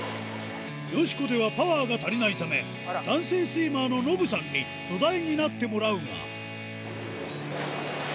よしこではパワーが足りないため、男性スイマーの信さんに土台になってもらうが。